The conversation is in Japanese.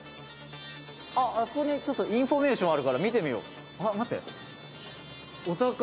「あっあそこにちょっとインフォメーションあるから見てみよう」